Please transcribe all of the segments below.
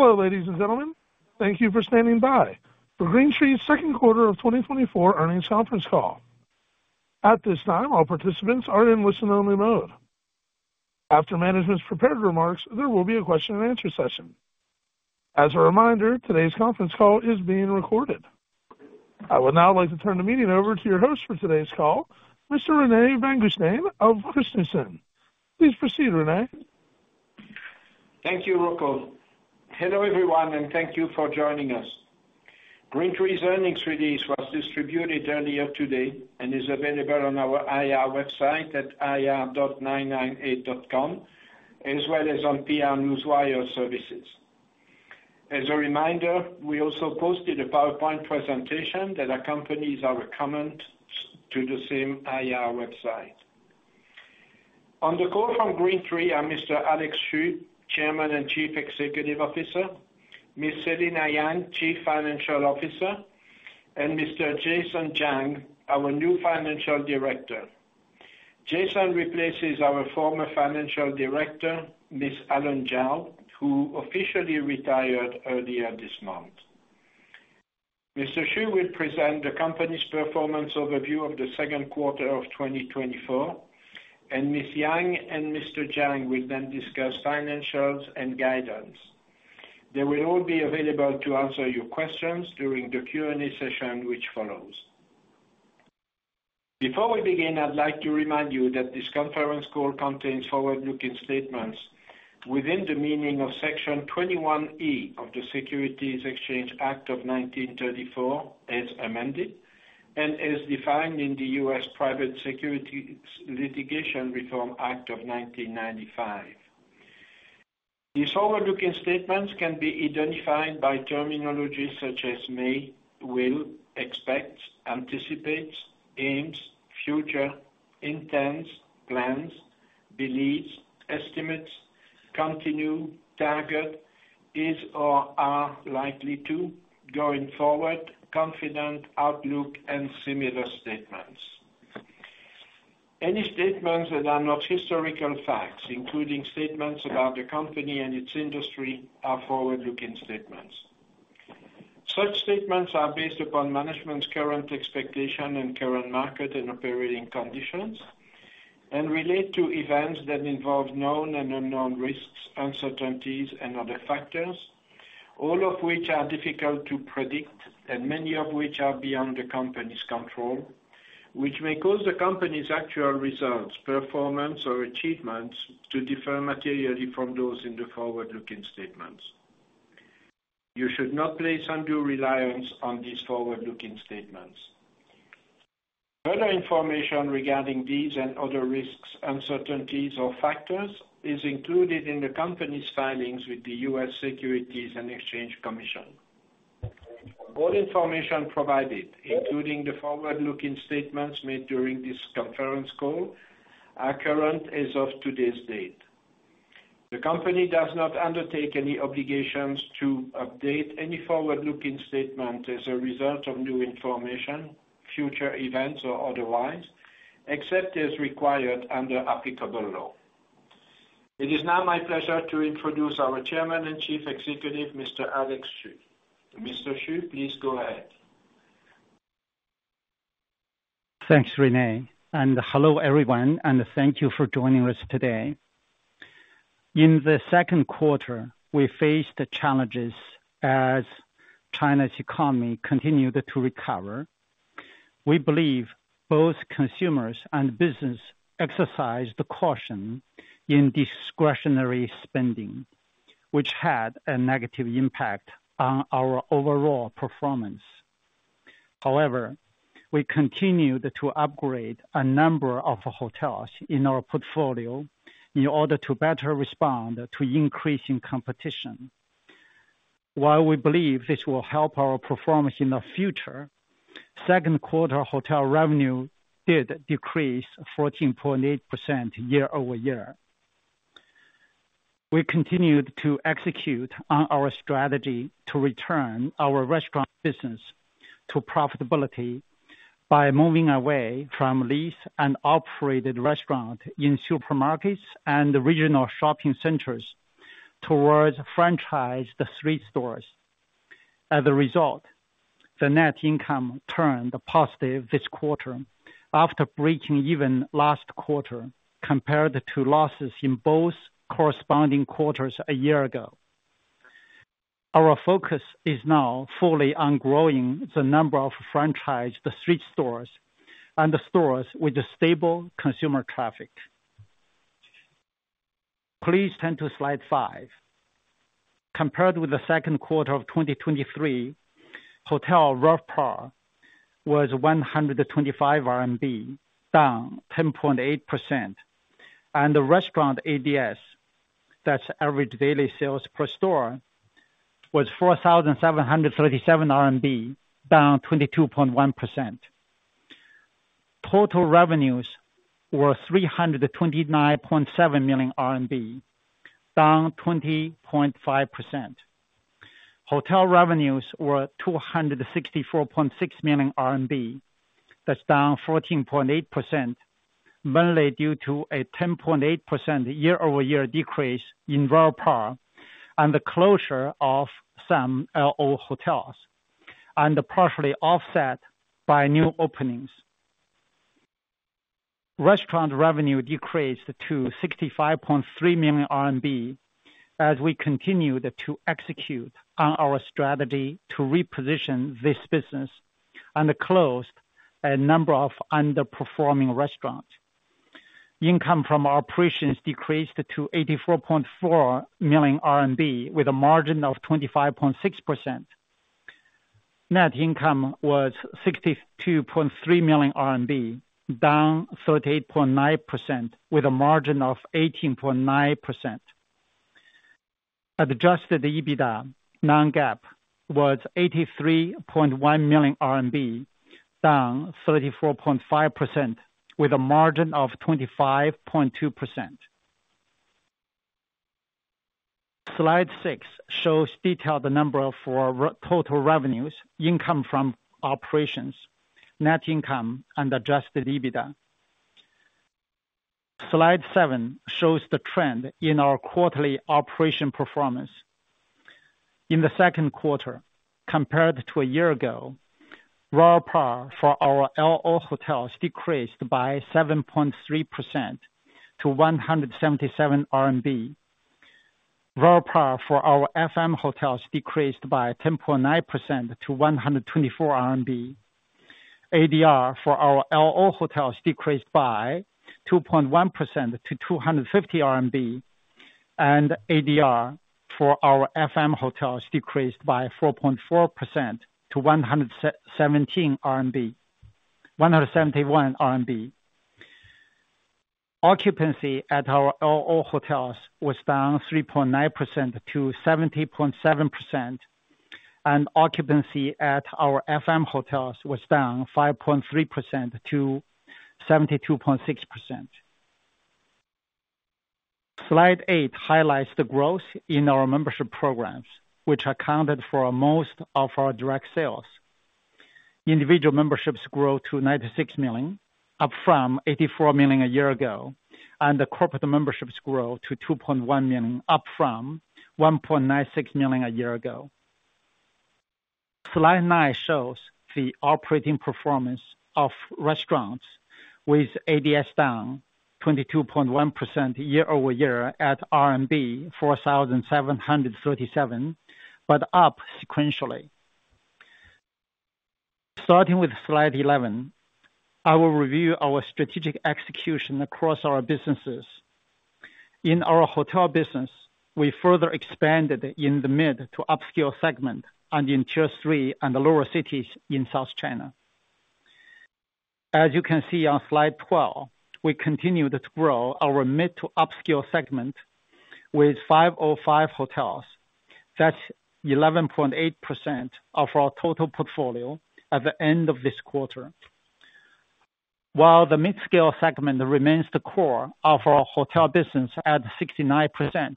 Hello, ladies and gentlemen. Thank you for standing by for GreenTree's second quarter of 2024 earnings conference call. At this time, all participants are in listen-only mode. After management's prepared remarks, there will be a question-and-answer session. As a reminder, today's conference call is being recorded. I would now like to turn the meeting over to your host for today's call, Mr. René Vanguestaine of Christensen. Please proceed, René. Thank you, Rocco. Hello, everyone, and thank you for joining us. GreenTree's earnings release was distributed earlier today and is available on our IR website at ir.998.com, as well as on PR Newswire services. As a reminder, we also posted a PowerPoint presentation that accompanies our comments to the same IR website. On the call from GreenTree are Mr. Alex Xu, Chairman and Chief Executive Officer, Ms. Selina Yang, Chief Financial Officer, and Mr. Jason Zhang, our new Financial Director. Jason replaces our former Financial Director, Ms. Ellen Zhao, who officially retired earlier this month. Mr. Xu will present the company's performance overview of the second quarter of 2024, and Ms. Yang and Mr. Zhang will then discuss financials and guidance. They will all be available to answer your questions during the Q&A session, which follows. Before we begin, I'd like to remind you that this conference call contains forward-looking statements within the meaning of Section 21E of the Securities Exchange Act of 1934, as amended, and as defined in the U.S. Private Securities Litigation Reform Act of 1995. These forward-looking statements can be identified by terminology such as may, will, expect, anticipate, aims, future, intends, plans, believes, estimates, continue, target, is or are likely to, going forward, confident, outlook, and similar statements. Any statements that are not historical facts, including statements about the company and its industry, are forward-looking statements. Such statements are based upon management's current expectation and current market and operating conditions, and relate to events that involve known and unknown risks, uncertainties and other factors, all of which are difficult to predict, and many of which are beyond the company's control, which may cause the company's actual results, performance or achievements to differ materially from those in the forward-looking statements. You should not place undue reliance on these forward-looking statements. Further information regarding these and other risks, uncertainties, or factors is included in the company's filings with the U.S. Securities and Exchange Commission. All information provided, including the forward-looking statements made during this conference call, are current as of today's date. The company does not undertake any obligations to update any forward-looking statement as a result of new information, future events, or otherwise, except as required under applicable law. It is now my pleasure to introduce our Chairman and Chief Executive Officer, Mr. Alex Xu. Mr. Xu, please go ahead. Thanks, René, and hello, everyone, and thank you for joining us today. In the second quarter, we faced challenges as China's economy continued to recover. We believe both consumers and business exercised caution in discretionary spending, which had a negative impact on our overall performance. However, we continued to upgrade a number of hotels in our portfolio in order to better respond to increasing competition. While we believe this will help our performance in the future, second quarter hotel revenue did decrease 14.8% year-over-year. We continued to execute on our strategy to return our restaurant business to profitability by moving away from leased and operated restaurant in supermarkets and regional shopping centers towards franchised street stores. As a result, the net income turned positive this quarter after breaking even last quarter, compared to losses in both corresponding quarters a year ago. Our focus is now fully on growing the number of franchised street stores and the stores with a stable consumer traffic. Please turn to slide 5. Compared with the second quarter of 2023, hotel RevPAR was RMB 125, down 10.8%, and the restaurant ADS, that's average daily sales per store, was 4,737 RMB, down 22.1%. Total revenues were 329.7 million RMB, down 20.5%....Hotel revenues were 264.6 million RMB. That's down 14.8%, mainly due to a 10.8% year-over-year decrease in RevPAR, and the closure of some LO hotels, and partially offset by new openings. Restaurant revenue decreased to 65.3 million RMB, as we continued to execute on our strategy to reposition this business, and closed a number of underperforming restaurants. Income from our operations decreased to 84.4 million RMB, with a margin of 25.6%. Net income was 62.3 million RMB, down 38.9%, with a margin of 18.9%. Adjusted EBITDA, non-GAAP, was 83.1 million RMB, down 34.5%, with a margin of 25.2%. Slide 6 shows detailed number for total revenues, income from operations, net income, and adjusted EBITDA. Slide 7 shows the trend in our quarterly operation performance. In the second quarter, compared to a year ago, RevPAR for our LO hotels decreased by 7.3% to RMB 177. RevPAR for our FM hotels decreased by 10.9% to 124 RMB. ADR for our LO hotels decreased by 2.1% to 250 RMB, and ADR for our FM hotels decreased by 4.4% to 171 RMB. Occupancy at our LO hotels was down 3.9% to 70.7%, and occupancy at our FM hotels was down 5.3% to 72.6%. Slide 8 highlights the growth in our membership programs, which accounted for most of our direct sales. Individual memberships grew to 96 million, up from 84 million a year ago, and the corporate memberships grew to 2.1 million, up from 1.96 million a year ago. Slide 9 shows the operating performance of restaurants with ADS down 22.1% year-over-year at RMB 4,737, but up sequentially. Starting with slide 11, I will review our strategic execution across our businesses. In our hotel business, we further expanded in the mid to upscale segment and in Tier 3 and the lower cities in South China. As you can see on slide 12, we continued to grow our mid to upscale segment with 505 hotels. That's 11.8% of our total portfolio at the end of this quarter. While the midscale segment remains the core of our hotel business at 69%,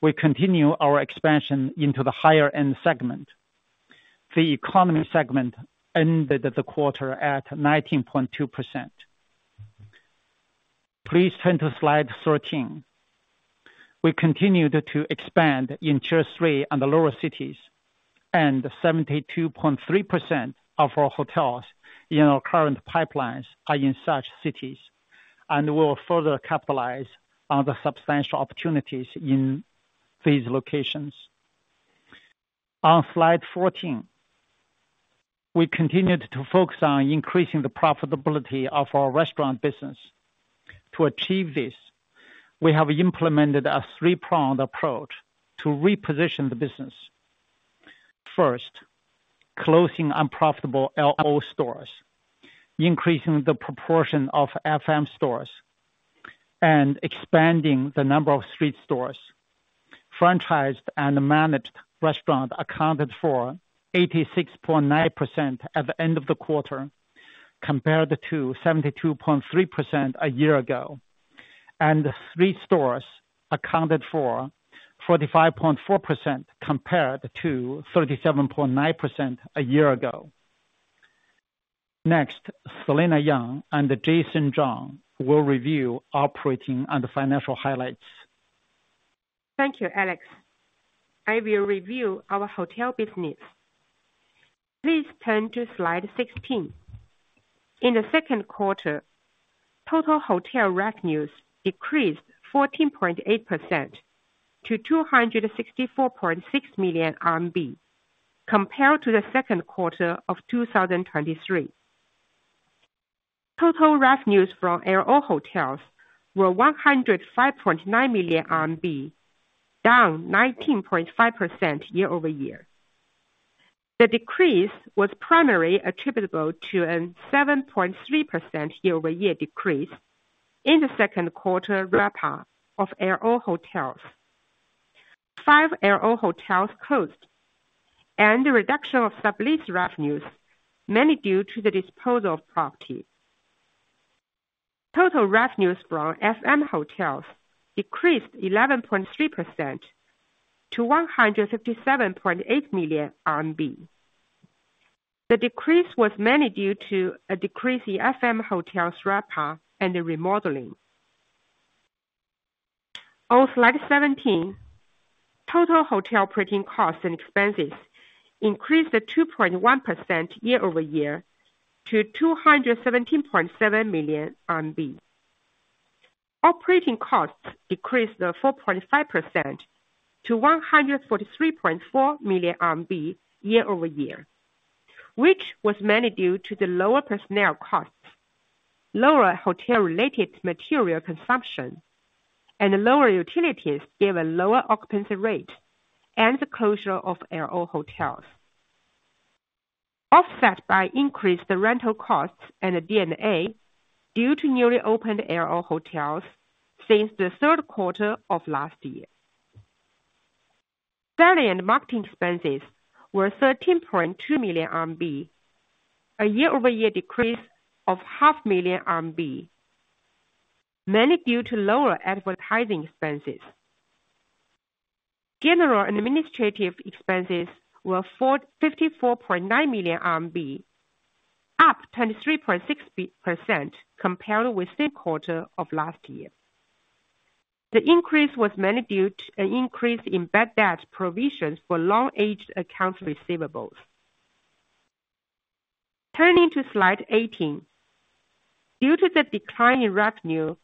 we continue our expansion into the higher end segment. The economy segment ended the quarter at 19.2%. Please turn to slide 13. We continued to expand in Tier 3 and the lower cities, and 72.3% of our hotels in our current pipelines are in such cities, and we will further capitalize on the substantial opportunities in these locations. On slide 14, we continued to focus on increasing the profitability of our restaurant business. To achieve this, we have implemented a three-pronged approach to reposition the business. First, closing unprofitable LO stores, increasing the proportion of FM stores, and expanding the number of street stores. Franchised-and-managed restaurants accounted for 86.9% at the end of the quarter, compared to 72.3% a year ago, and street stores accounted for 45.4%, compared to 37.9% a year ago. Next, Selina Yang and Jason Zhang will review operating and financial highlights. Thank you, Alex. I will review our hotel business. Please turn to slide 16. In the second quarter, total hotel revenues decreased 14.8% to 264.6 million RMB, compared to the second quarter of 2023. Total revenues from LO hotels were 105.9 million RMB, down 19.5% year-over-year. The decrease was primarily attributable to a 7.3% year-over-year decrease in the second quarter RevPAR of LO hotels. Five LO hotels closed, and the reduction of sublease revenues, mainly due to the disposal of property.... Total revenues from FM hotels decreased 11.3% to 157.8 million RMB. The decrease was mainly due to a decrease in FM hotels RevPAR and the remodeling. On slide 17, total hotel operating costs and expenses increased to 2.1% year-over-year to RMB 217.7 million. Operating costs decreased to 4.5% to 143.4 million RMB year-over-year, which was mainly due to the lower personnel costs, lower hotel-related material consumption, and lower utilities, given lower occupancy rate and the closure of LO hotels. Offset by increased rental costs and D&A due to newly opened LO hotels since the third quarter of last year. Selling and marketing expenses were 13.2 million RMB, a year-over-year decrease of 0.5 million RMB, mainly due to lower advertising expenses. General administrative expenses were 454.9 million RMB, up 23.6% compared with the same quarter of last year. The increase was mainly due to an increase in bad debt provisions for long-aged accounts receivables. Turning to slide 18. Due to the decline in revenue,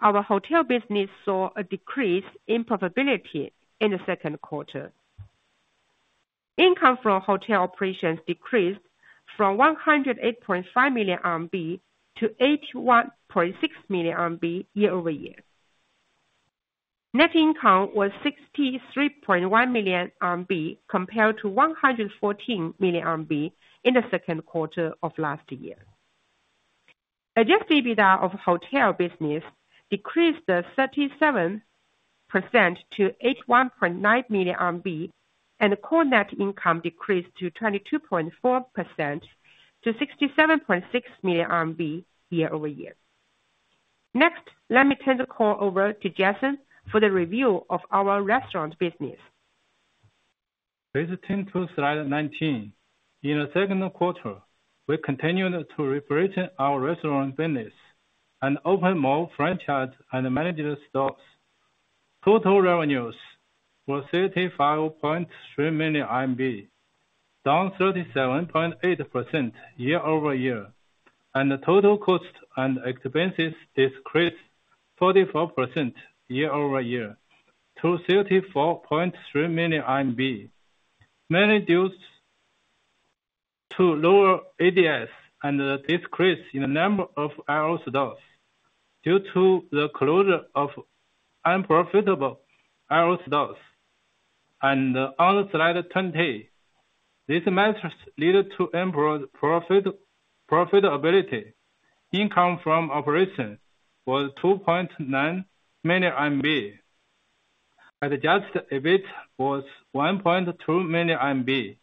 our hotel business saw a decrease in profitability in the second quarter. Income from hotel operations decreased from 108.5 million RMB to 81.6 million RMB year-over-year. Net income was 63.1 million RMB, compared to 114 million RMB in the second quarter of last year. Adjusted EBITDA of hotel business decreased to 37% to 81.9 million RMB, and core net income decreased to 22.4% to 67.6 million RMB year-over-year. Next, let me turn the call over to Jason for the review of our restaurant business. Please turn to slide 19. In the second quarter, we continued to reposition our restaurant business and open more franchised-and-managed stores. Total revenues were 35.3 million RMB, down 37.8% year-over-year, and the total cost and expenses decreased 44% year-over-year to RMB 34.3 million, mainly due to lower ADS and a decrease in the number of LO stores, due to the closure of unprofitable LO stores. On slide 20, these measures lead to improved profit, profitability. Income from operation was 2.9 million, adjusted EBITDA was 1.2 million.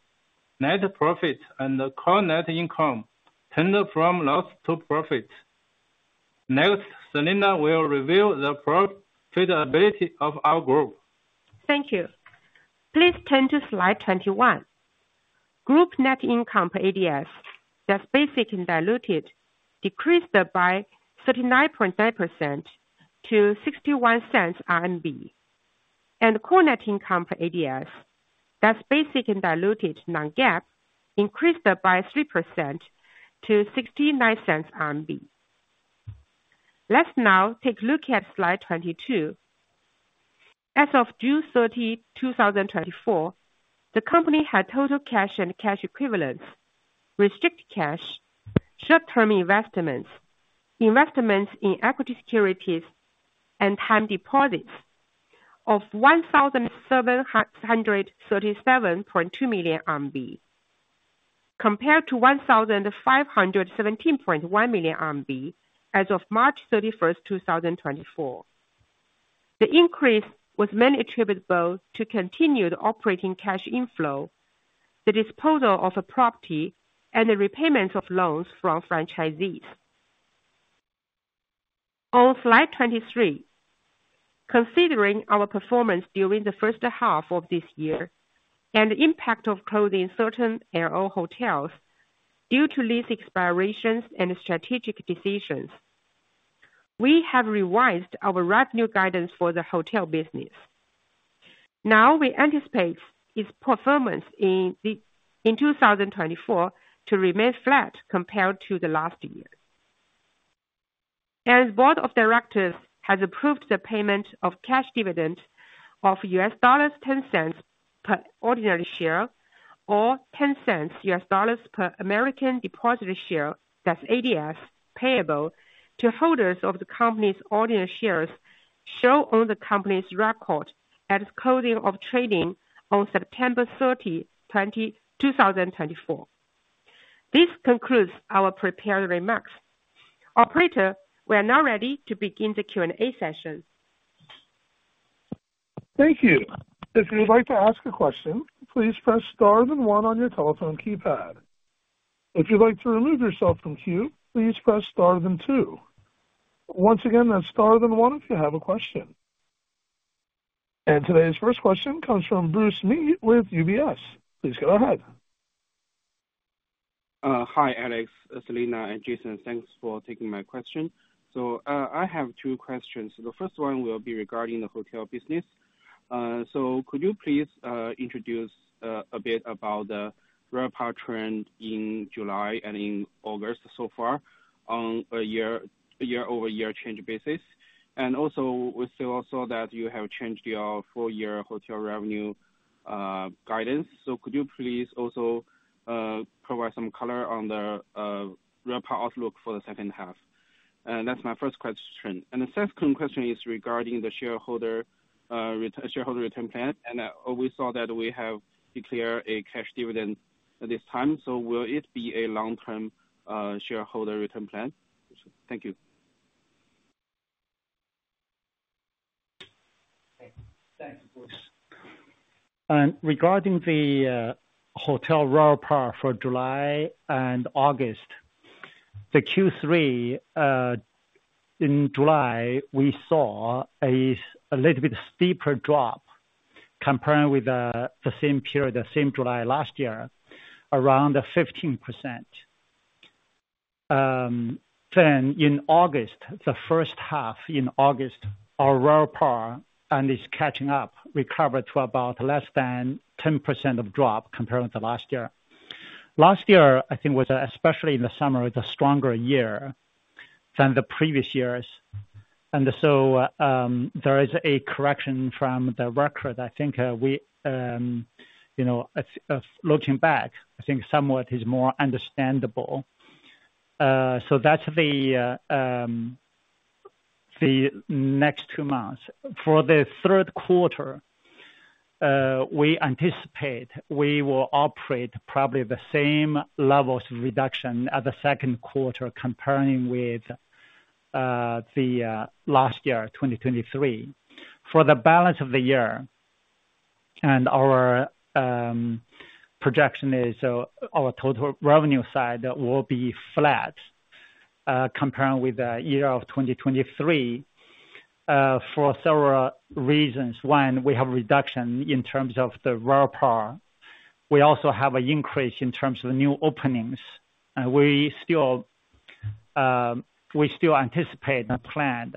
Net profit and core net income turned from loss to profit. Next, Selina will review the profitability of our group. Thank you. Please turn to slide 21. Group net income per ADS, that's basic and diluted, decreased by 39.9% to RMB 0.61, and core net income per ADS, that's basic and diluted non-GAAP, increased by 3% to 0.69 RMB. Let's now take a look at slide 22. As of June 30, 2024, the company had total cash and cash equivalents, restricted cash, short-term investments, investments in equity securities, and time deposits of 1,737.2 million RMB, compared to 1,517.1 million RMB as of March 31, 2024. The increase was mainly attributable to continued operating cash inflow, the disposal of a property, and the repayment of loans from franchisees. On slide 23, considering our performance during the first half of this year and the impact of closing certain LO hotels due to lease expirations and strategic decisions, we have revised our revenue guidance for the hotel business. Now, we anticipate its performance in 2024 to remain flat compared to the last year. The Board of Directors has approved the payment of cash dividend of $0.10 per ordinary share, or $0.10 per American Depositary Share, that's ADS, payable to holders of the company's ordinary shares shown on the company's record at the closing of trading on September 30, 2024. This concludes our prepared remarks. Operator, we are now ready to begin the Q&A session.... Thank you. If you'd like to ask a question, please press star then one on your telephone keypad. If you'd like to remove yourself from queue, please press star then two. Once again, that's star then one if you have a question. And today's first question comes from Bruce Lin with UBS. Please go ahead. Hi, Alex, Selina, and Jason. Thanks for taking my question. So, I have two questions. The first one will be regarding the hotel business. So could you please introduce a bit about the RevPAR trend in July and in August so far, on a year-over-year change basis? And also, we see also that you have changed your full year hotel revenue guidance. So could you please also provide some color on the RevPAR outlook for the second half? And that's my first question. And the second question is regarding the shareholder return plan, and we saw that we have declared a cash dividend at this time, so will it be a long-term shareholder return plan? Thank you. Thanks, Bruce. And regarding the hotel RevPAR for July and August, the Q3, in July, we saw a little bit steeper drop comparing with the same period, the same July last year, around 15%. Then in August, the first half in August, our RevPAR and is catching up, recovered to about less than 10% of drop compared with the last year. Last year, I think, was, especially in the summer, was a stronger year than the previous years. And so, there is a correction from the record. I think, you know, as looking back, I think somewhat is more understandable. So that's the next two months. For the third quarter, we anticipate we will operate probably the same levels of reduction as the second quarter, comparing with the last year, 2023. For the balance of the year, and our projection is, so our total revenue side will be flat, comparing with the year of 2023, for several reasons. One, we have reduction in terms of the RevPAR. We also have an increase in terms of the new openings. We still, we still anticipate and planned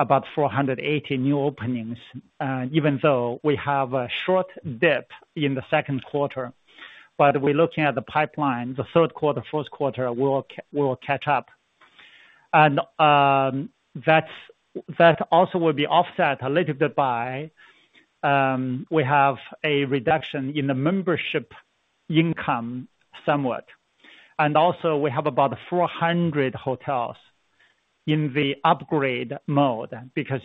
about 480 new openings, even though we have a short dip in the second quarter. But we're looking at the pipeline, the third quarter, fourth quarter will catch up. That also will be offset a little bit by we have a reduction in the membership income somewhat, and also we have about 400 hotels in the upgrade mode, because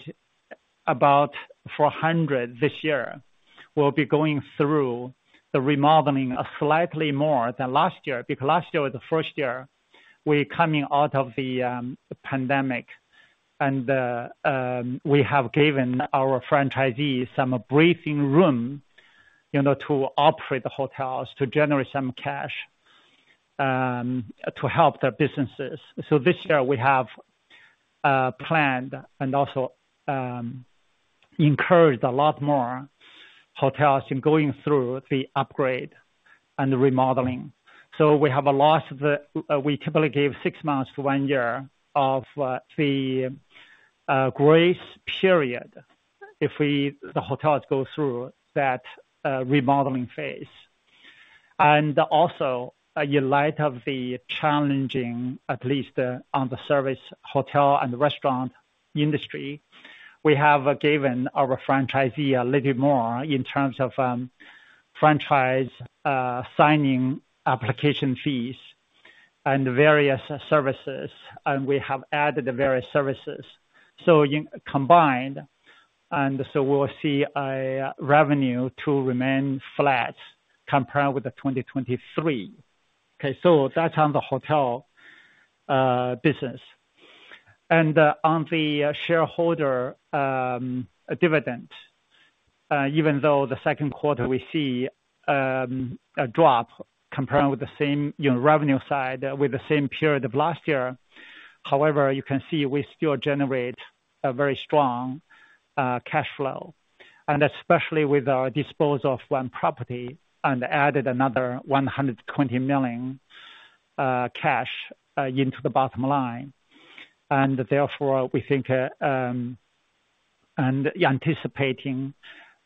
about 400 this year will be going through the remodeling, slightly more than last year. Because last year was the first year we're coming out of the pandemic, and we have given our franchisees some breathing room, you know, to operate the hotels, to generate some cash, to help their businesses. So this year we have planned and also encouraged a lot more hotels in going through the upgrade and the remodeling. So we have a lot of we typically give six months to one year of the grace period if we, the hotels, go through that remodeling phase. And also, in light of the challenging, at least on the service hotel and restaurant industry, we have given our franchisee a little more in terms of, franchise, signing application fees and various services, and we have added the various services. So in combined, and so we'll see a revenue to remain flat compared with 2023. Okay, so that's on the hotel, business. And, on the shareholder, dividend, even though the second quarter we see, a drop comparing with the same, you know, revenue side, with the same period of last year. However, you can see we still generate a very strong, cash flow, and especially with our dispose of one property and added another 120 million, cash, into the bottom line. And therefore, we think, and anticipating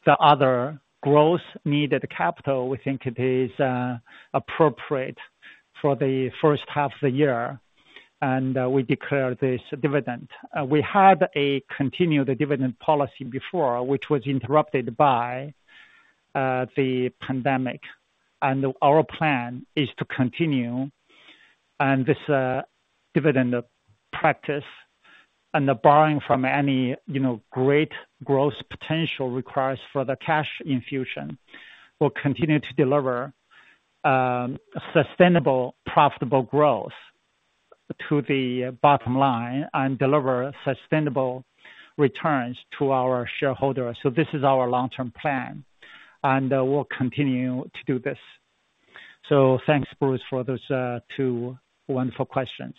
the other growth needed capital, we think it is appropriate for the first half of the year, and we declare this dividend. We had a continued dividend policy before, which was interrupted by the pandemic, and our plan is to continue. And this dividend practice and the borrowing from any, you know, great growth potential requires for the cash infusion, will continue to deliver sustainable, profitable growth to the bottom line and deliver sustainable returns to our shareholders. So this is our long-term plan, and we'll continue to do this. So thanks, Bruce, for those two wonderful questions.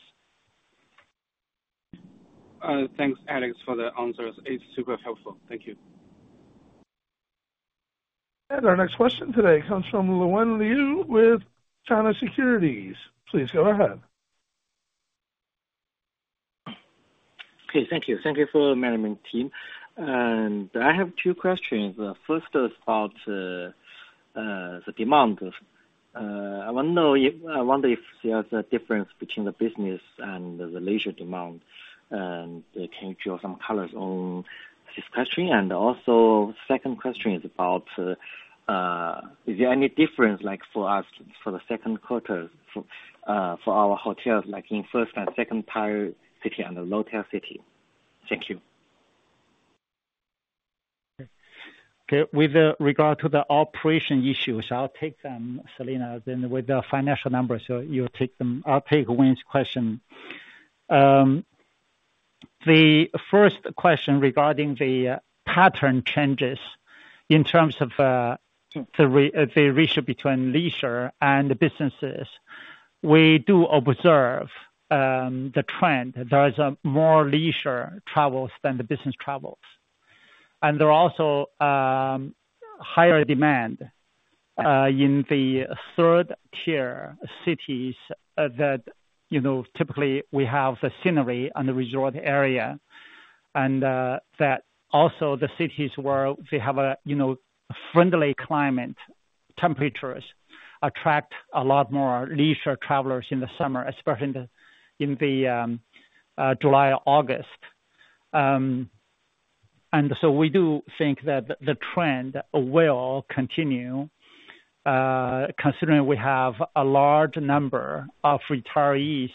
Thanks, Alex, for the answers. It's super helpful. Thank you. Our next question today comes from Lewen Liu with China Securities. Please go ahead. Okay, thank you. Thank you for managing team, and I have two questions. First is about the demand. I wanna know if I wonder if there's a difference between the business and the leisure demand, and can you draw some colors on this question? And also, second question is about, is there any difference, like, for us, for the second quarter for our hotels, like, in Tier 1 and Tier 2 city and the low-tier city? Thank you. Okay. With regard to the operation issues, I'll take them, Selina, then with the financial numbers, so you'll take them. I'll take Lewen's question. The first question regarding the pattern changes in terms of the ratio between leisure and the businesses, we do observe the trend. There is more leisure travels than the business travels. And there are also higher demand in the third tier cities that, you know, typically we have the scenery and the resort area. And that also the cities where they have a, you know, friendly climate, temperatures attract a lot more leisure travelers in the summer, especially in the July, August. So we do think that the trend will continue, considering we have a large number of retirees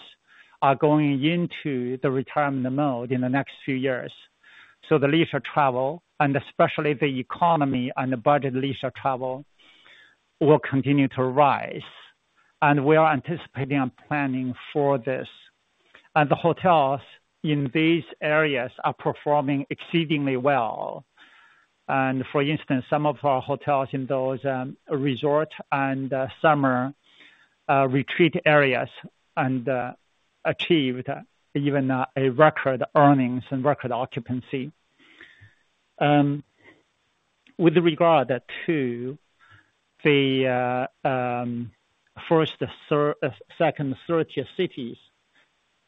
are going into the retirement mode in the next few years. So the leisure travel, and especially the economy and the budget leisure travel, will continue to rise, and we are anticipating and planning for this. The hotels in these areas are performing exceedingly well. For instance, some of our hotels in those resort and summer retreat areas and achieved even a record earnings and record occupancy. With regard to the first and third, second, third tier cities,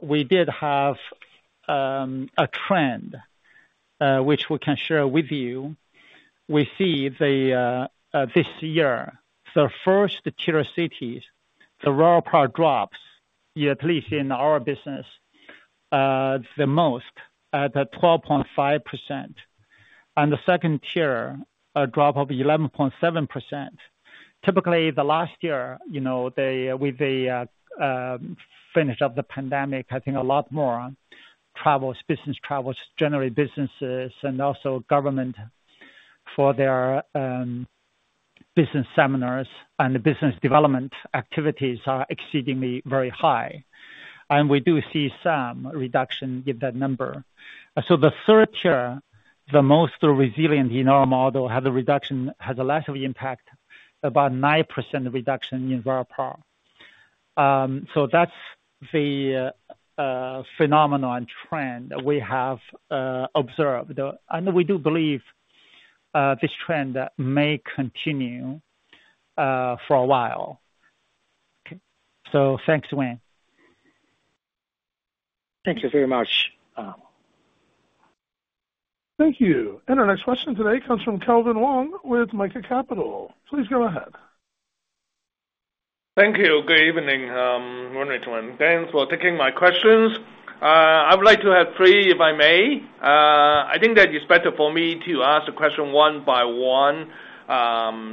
we did have a trend which we can share with you. We see the this year, the Tier 1 cities, the RevPAR drops, at least in our business, the most at the 12.5%, and the Tier 2, a drop of 11.7%. Typically, the last year, you know, they with the finish of the pandemic, I think a lot more travels, business travels, generally, businesses and also government for their business seminars and business development activities are exceedingly very high, and we do see some reduction in that number. So the third tier, the most resilient in our model, had a reduction, had a less of impact, about 9% reduction in RevPAR. So that's the phenomenon trend we have observed. And we do believe this trend may continue for a while. So thanks, Lewen. Thank you very much. Thank you. And our next question today comes from Kelvin Wong with Mica Capital. Please go ahead. Thank you. Good evening, Morning to everyone. Thanks for taking my questions. I would like to have three, if I may. I think that it's better for me to ask the question one by one,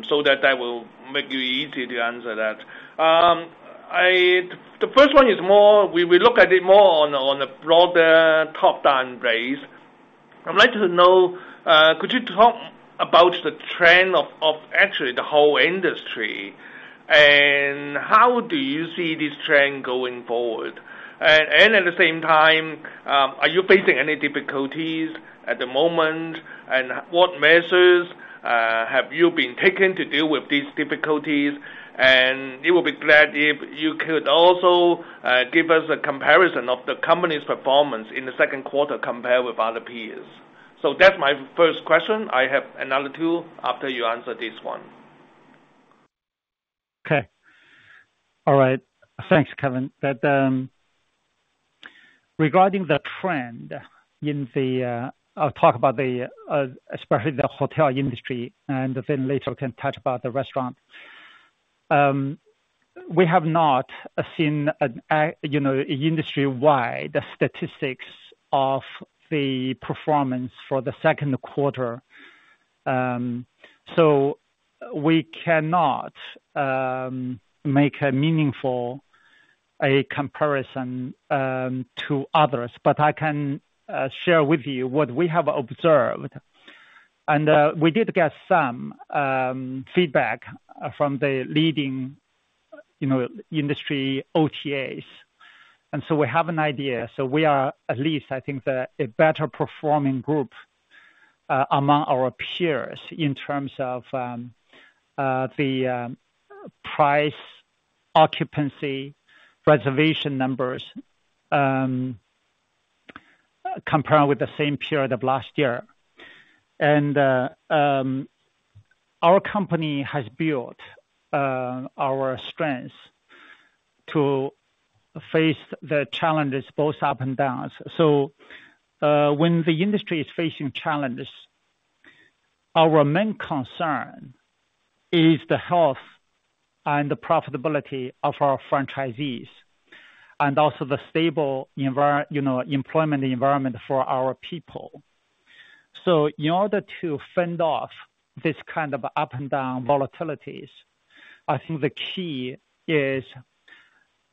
so that will make it easy to answer that. The first one is more we look at it more on a broader top-down base. I'd like to know, could you talk about the trend of actually the whole industry, and how do you see this trend going forward? And at the same time, are you facing any difficulties at the moment? And what measures have you been taking to deal with these difficulties? And we will be glad if you could also give us a comparison of the company's performance in the second quarter compared with other peers. That's my first question. I have another two after you answer this one. Okay. All right. Thanks, Kelvin. Regarding the trend in the, I'll talk about, especially the hotel industry, and then later can touch about the restaurant. We have not seen, you know, industry-wide, the statistics of the performance for the second quarter. So we cannot make a meaningful comparison to others, but I can share with you what we have observed. We did get some feedback from the leading, you know, industry OTAs, and so we have an idea. So we are, at least, I think, a better performing group among our peers in terms of the price, occupancy, reservation numbers, comparing with the same period of last year. Our company has built our strengths to face the challenges both up and downs. So, when the industry is facing challenges, our main concern is the health and the profitability of our franchisees, and also the stable, you know, employment environment for our people. So in order to fend off this kind of up and down volatilities, I think the key is,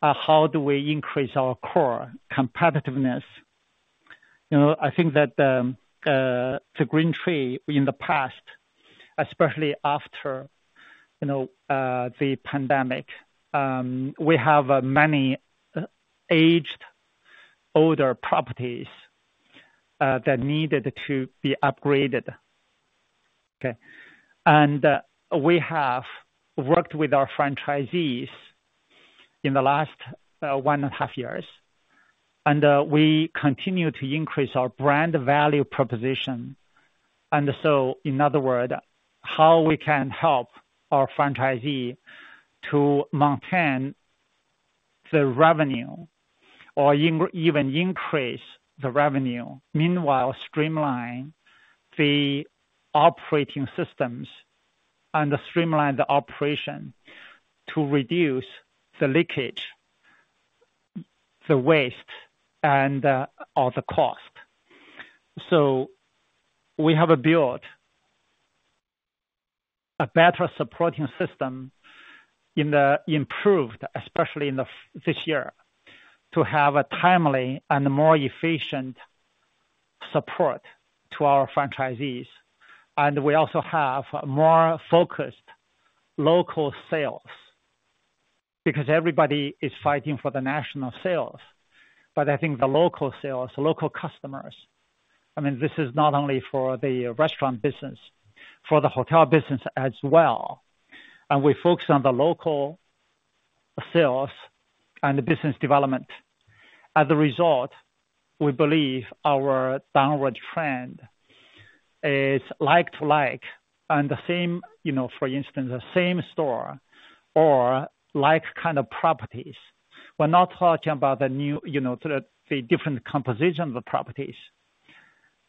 how do we increase our core competitiveness? You know, I think that, to GreenTree in the past, especially after, you know, the pandemic, we have many aged, older properties that needed to be upgraded. Okay? And, we have worked with our franchisees in the last one and a half years, and, we continue to increase our brand value proposition. In other words, how we can help our franchisee to maintain the revenue, or even increase the revenue, meanwhile, streamline the operating systems and streamline the operation to reduce the leakage, the waste, and, or the cost. So we have built a better supporting system in the improved, especially this year, to have a timely and more efficient support to our franchisees. And we also have more focused local sales, because everybody is fighting for the national sales. But I think the local sales, local customers, I mean, this is not only for the restaurant business, for the hotel business as well, and we focus on the local sales and the business development. As a result, we believe our downward trend is like to like, and the same, you know, for instance, the same store or like kind of properties. We're not talking about the new, you know, the different composition of the properties.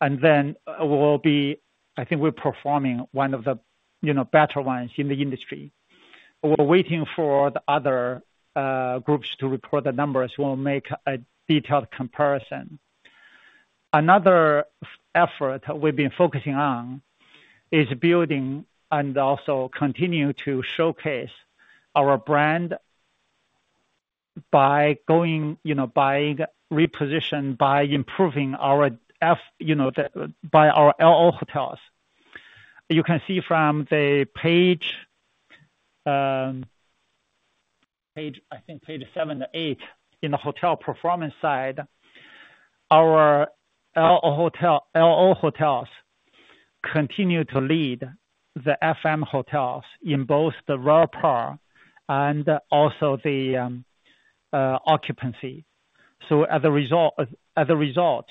Then we'll be... I think we're performing one of the, you know, better ones in the industry. We're waiting for the other groups to report their numbers. We'll make a detailed comparison. Another effort we've been focusing on is building and also continue to showcase our brand by going, you know, by reposition, by improving our, you know, by our LO hotels. You can see from the page, page, I think page 7 to 8, in the hotel performance side, our LO hotel, LO hotels continue to lead the FM hotels in both the RevPAR and also the occupancy. So as a result,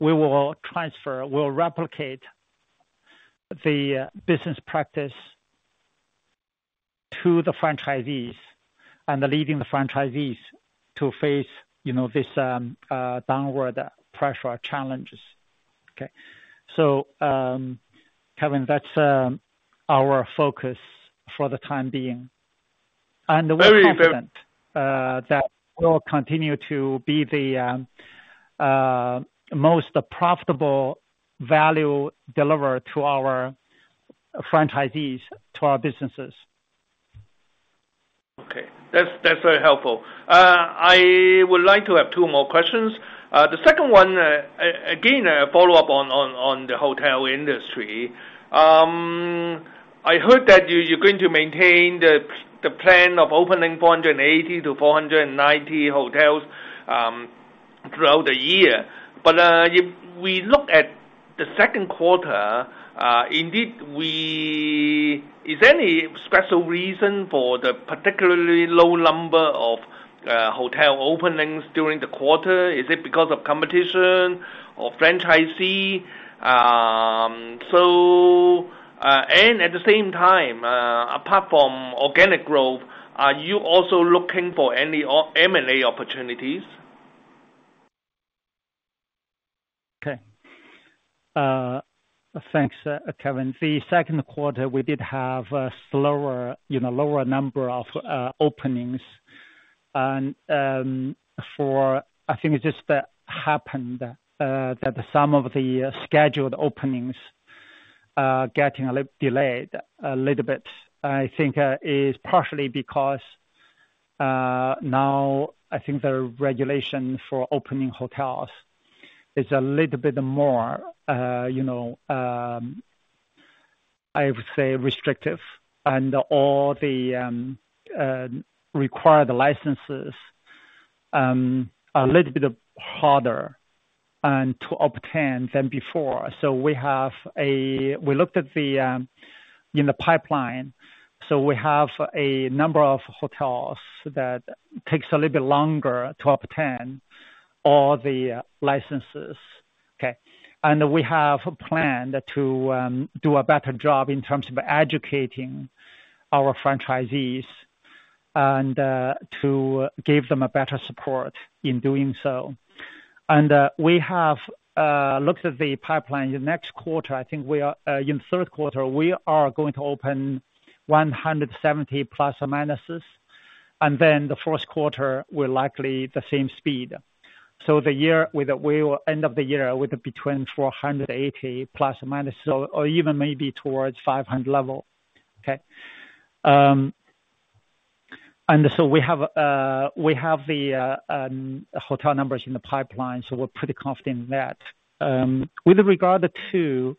we will transfer, we'll replicate the business practice to the franchisees and leading the franchisees to face, you know, this downward pressure challenges. Okay. So, Kevin, that's our focus for the time being. And we're confident- Very, very- that we'll continue to be the most profitable value deliverer to our franchisees, to our businesses. Okay. That's very helpful. I would like to have two more questions. The second one, again, a follow-up on the hotel industry. I heard that you're going to maintain the plan of opening 480-490 hotels throughout the year. But if we look at the second quarter, indeed, is there any special reason for the particularly low number of hotel openings during the quarter? Is it because of competition or franchisee? So, and at the same time, apart from organic growth, are you also looking for any M&A opportunities? Okay. Thanks, Kelvin. The second quarter, we did have a slower, you know, lower number of openings. And I think it just happened that some of the scheduled openings getting a little delayed, a little bit, I think, is partially because now I think the regulation for opening hotels is a little bit more, you know, I would say restrictive, and all the required licenses are a little bit harder and to obtain than before. So we have a. We looked at them in the pipeline, so we have a number of hotels that takes a little bit longer to obtain all the licenses. Okay? And we have a plan to do a better job in terms of educating our franchisees and to give them a better support in doing so. We have looked at the pipeline. In next quarter, I think we are in the third quarter, we are going to open 170±, and then the first quarter, we're likely the same speed. So the year we will end up the year with between 480±, so, or even maybe towards 500 level. Okay? And so we have the hotel numbers in the pipeline, so we're pretty confident in that. With regard to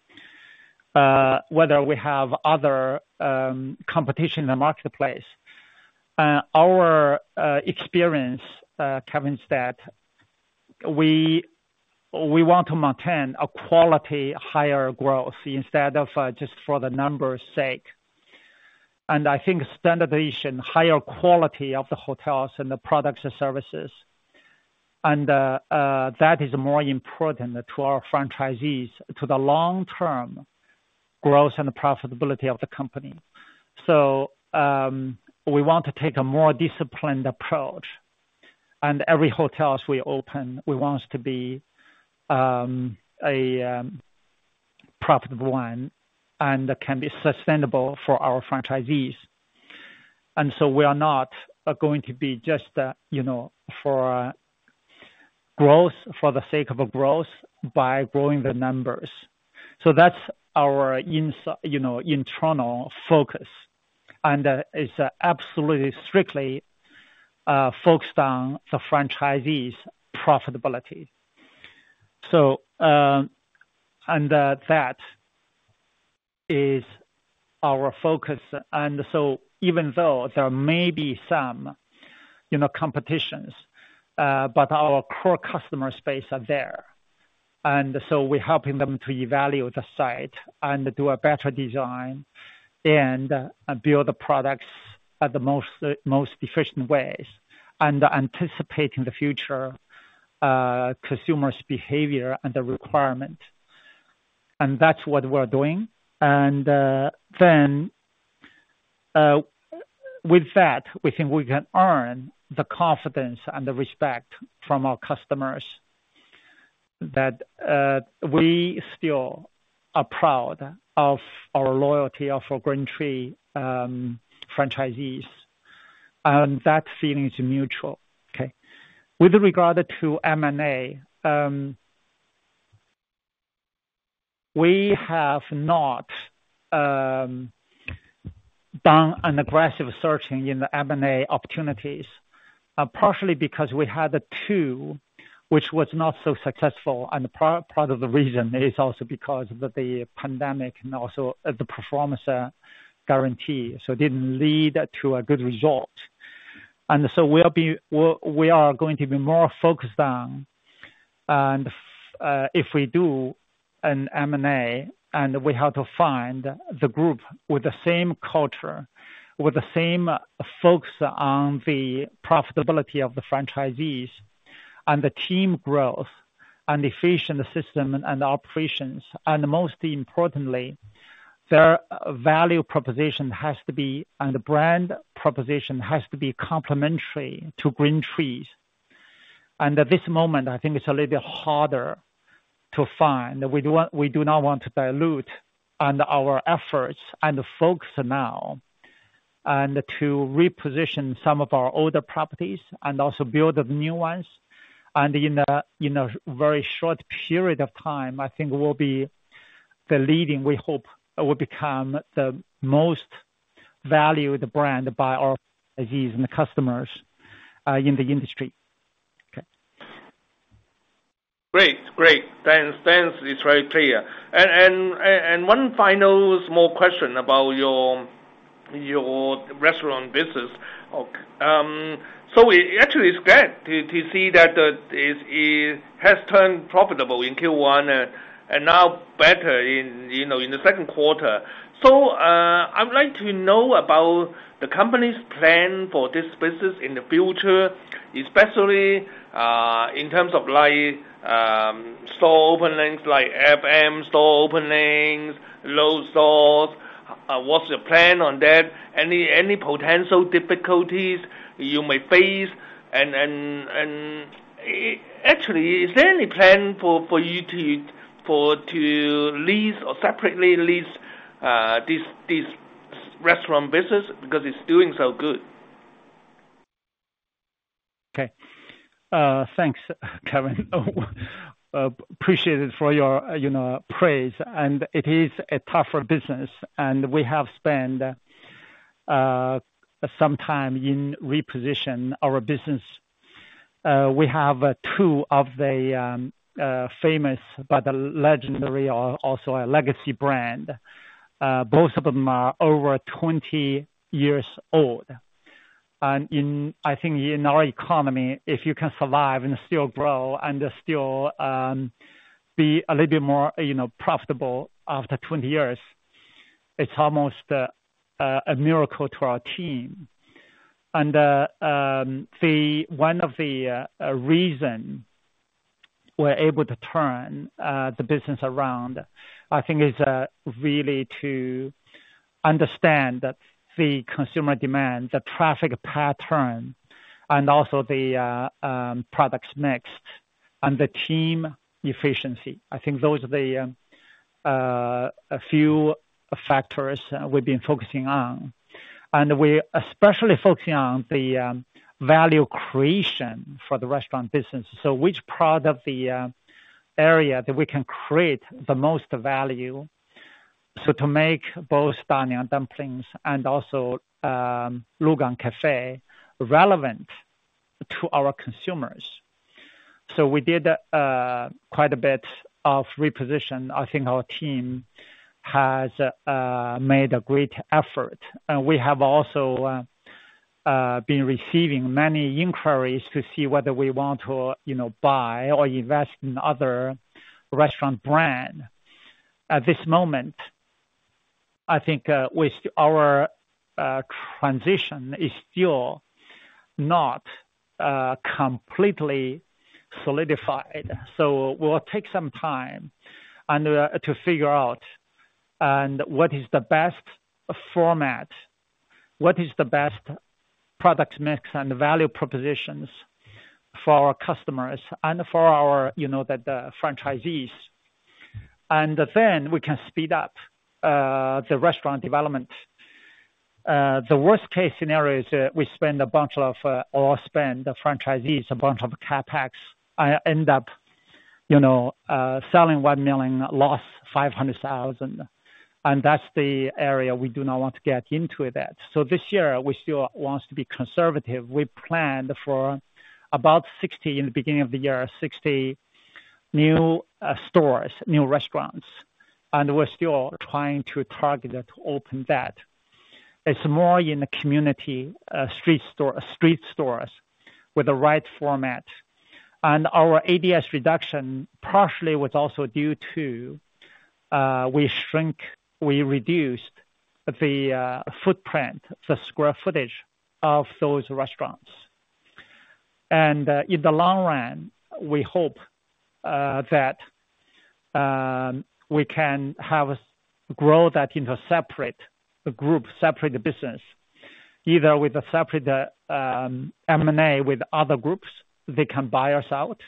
whether we have other competition in the marketplace, our experience, Kelvin, is that we want to maintain a quality higher growth instead of just for the numbers' sake. I think standardization, higher quality of the hotels and the products and services, and that is more important to our franchisees, to the long term growth and the profitability of the company. So we want to take a more disciplined approach, and every hotels we open, we want to be a profitable one, and can be sustainable for our franchisees. And so we are not going to be just, you know, for growth, for the sake of a growth by growing the numbers. So that's our you know, internal focus, and it's absolutely strictly focused on the franchisees' profitability. So, and that is our focus. And so even though there may be some, you know, competitions, but our core customer space are there. And so we're helping them to evaluate the site and do a better design and, build the products at the most, most efficient ways, and anticipating the future, consumer's behavior and the requirement. And that's what we're doing. And, then, with that, we think we can earn the confidence and the respect from our customers, that, we still are proud of our loyalty of our GreenTree, franchisees, and that feeling is mutual. Okay. With regard to M&A, we have not, done an aggressive searching in the M&A opportunities, partially because we had two, which was not so successful, and part of the reason is also because of the pandemic and also the performance, guarantee. So it didn't lead to a good result. So we'll be, we are going to be more focused on, if we do an M&A, and we have to find the group with the same culture, with the same focus on the profitability of the franchisees and the team growth and efficient system and operations, and most importantly, their value proposition has to be, and the brand proposition has to be complementary to GreenTree. At this moment, I think it's a little bit harder to find. We do not want to dilute our efforts and focus now, and to reposition some of our older properties and also build up new ones. In a very short period of time, I think we'll be the leading, we hope, will become the most valued brand by our franchisees and the customers in the industry. Okay. Great. Great. Thanks. Thanks. It's very clear. And one final small question about your restaurant business. Actually, it's great to see that it has turned profitable in Q1 and now better in, you know, in the second quarter. So I'd like to know about the company's plan for this business in the future, especially in terms of like store openings, like FM store openings, LO stores. What's your plan on that? Any potential difficulties you may face? And actually, is there any plan for you to lease or separately lease this restaurant business because it's doing so good?... Okay. Thanks, Kelvin. Appreciate it for your, you know, praise, and it is a tougher business, and we have spent some time in reposition our business. We have two of the famous, but the legendary are also a legacy brand. Both of them are over 20 years old. And in, I think in our economy, if you can survive and still grow and still be a little bit more, you know, profitable after 20 years, it's almost a miracle to our team. And the one of the reason we're able to turn the business around, I think is really to understand that the consumer demand, the traffic pattern, and also the products next, and the team efficiency. I think those are the a few factors we've been focusing on. And we're especially focusing on the value creation for the restaurant business. So which part of the area that we can create the most value, so to make both Da Niang Dumpling and also Lugang Cafe relevant to our consumers. So we did quite a bit of reposition. I think our team has made a great effort. And we have also been receiving many inquiries to see whether we want to, you know, buy or invest in other restaurant brand. At this moment, I think, with our transition is still not completely solidified. So we'll take some time and to figure out and what is the best format, what is the best product mix and value propositions for our customers and for our, you know, the franchisees. And then we can speed up the restaurant development. The worst case scenario is, we spend a bunch of, or spend the franchisees a bunch of CapEx and end up, you know, selling 1 million, loss 500,000. And that's the area we do not want to get into that. So this year, we still wants to be conservative. We planned for about 60 in the beginning of the year, 60 new stores, new restaurants, and we're still trying to target to open that. It's more in the community, street store, street stores with the right format. And our ADS reduction, partially, was also due to, we shrink, we reduced the footprint, the square footage of those restaurants. And, in the long run, we hope that we can have growth that into separate group, separate business, either with a separate M&A with other groups, they can buy us out,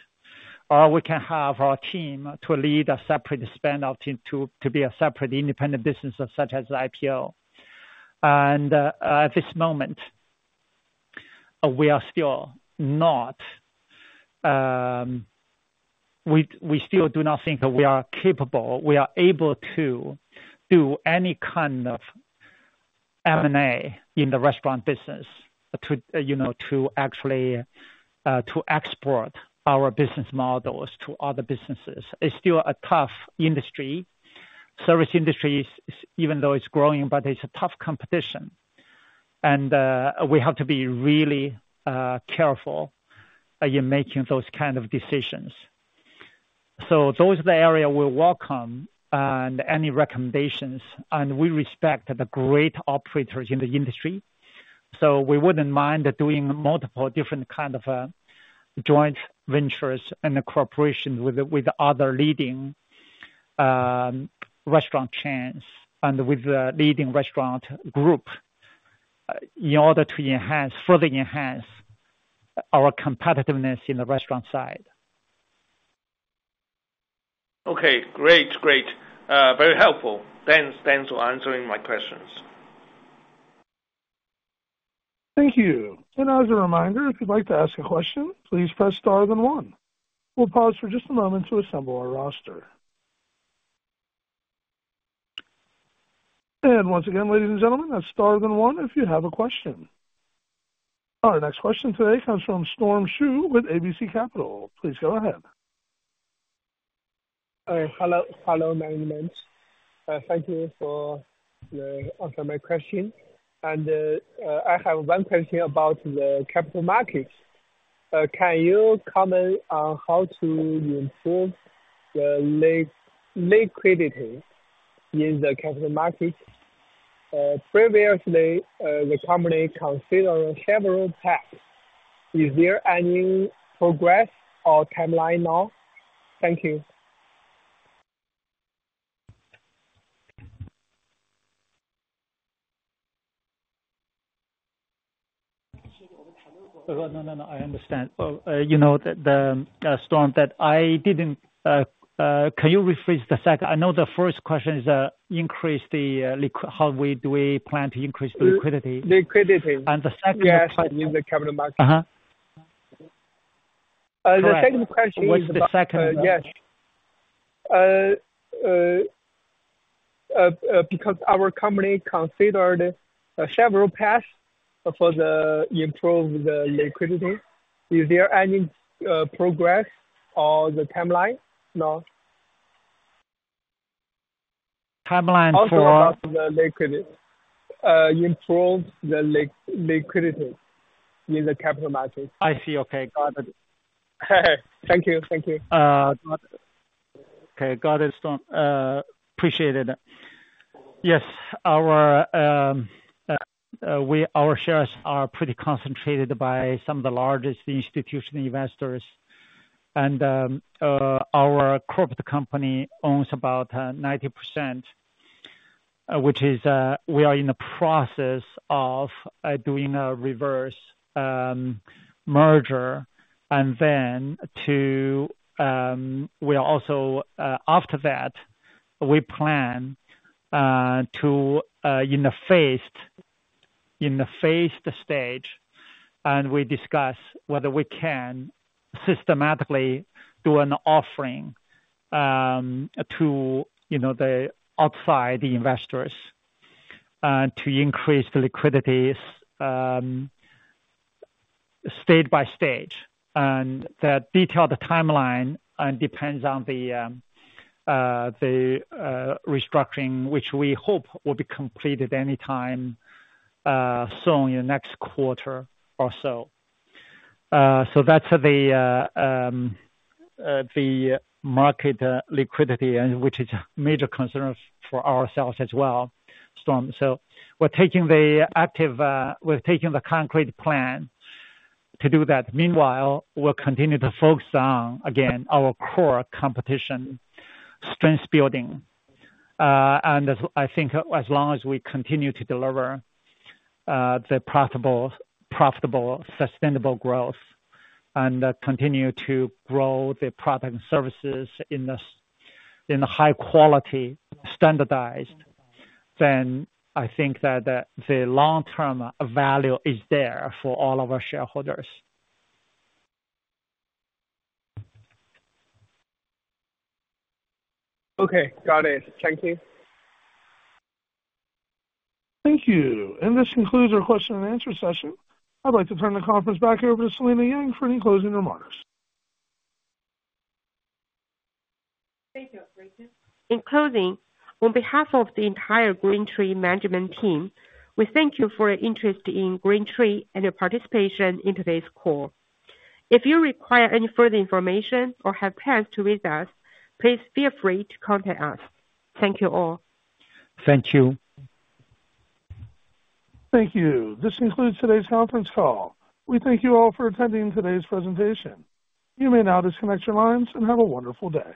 or we can have our team to lead a separate spin out team to be a separate independent business, such as IPO. And, at this moment, we are still not... We, we still do not think we are capable, we are able to do any kind of M&A in the restaurant business to, you know, to actually to export our business models to other businesses. It's still a tough industry. Service industry, even though it's growing, but it's a tough competition. And, we have to be really careful in making those kind of decisions. So those are the areas we welcome, and any recommendations, and we respect the great operators in the industry. So we wouldn't mind doing multiple different kinds of joint ventures and cooperation with other leading restaurant chains and with the leading restaurant group, in order to further enhance our competitiveness in the restaurant side. Okay, great. Great. Very helpful. Thanks, thanks for answering my questions. Thank you. As a reminder, if you'd like to ask a question, please press star then one. We'll pause for just a moment to assemble our roster. Once again, ladies and gentlemen, press star then one, if you have a question. Our next question today comes from Storm Shu with ABC Capital. Please go ahead. Hello, hello, management. Thank you for answering my question. I have one question about the capital markets. Can you comment on how to improve the liquidity in the capital market? Previously, the company considered several paths. Is there any progress or timeline now? Thank you. No, no, no, I understand. You know, Storm, that I didn't... Can you rephrase the second? I know the first question is increase the liquidity, how we plan to increase the liquidity. Liquidity. The second part- Yes, in the capital market... the second question is- What's the second? Yes. Because our company considered several paths to improve the liquidity. Is there any progress on the timeline now? Timeline for? The liquidity, improve the liquidity in the capital market. I see. Okay, got it. Thank you. Thank you. Okay, got it, Storm. Appreciate it. Yes, our shares are pretty concentrated by some of the largest institutional investors, and our corporate company owns about 90%, which is, we are in the process of doing a reverse merger, and then we are also, after that, we plan to, in the phased stage, and we discuss whether we can systematically do an offering to, you know, the outside investors to increase the liquidity stage by stage. And the detailed timeline depends on the restructuring, which we hope will be completed any time soon, in the next quarter or so. So that's the market liquidity, and which is a major concern for ourselves as well, Storm. So we're taking the active, we're taking the concrete plan to do that. Meanwhile, we'll continue to focus on, again, our core competition, strength building. And as I think as long as we continue to deliver the profitable, profitable, sustainable growth and continue to grow the product and services in this, in a high quality standardized, then I think that the long-term value is there for all of our shareholders. Okay, got it. Thank you. Thank you. This concludes our question-and-answer session. I'd like to turn the conference back over to Selina Yang for any closing remarks. Thank you, Rocco. In closing, on behalf of the entire GreenTree management team, we thank you for your interest in GreenTree and your participation in today's call. If you require any further information or have plans to reach us, please feel free to contact us. Thank you all. Thank you. Thank you. This concludes today's conference call. We thank you all for attending today's presentation. You may now disconnect your lines and have a wonderful day.